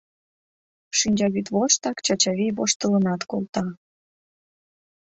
Шинчавӱд воштак Чачавий воштылынат колта.